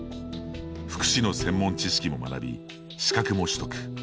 福祉の専門知識を学び資格も取得。